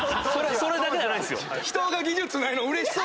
それだけじゃないですよ。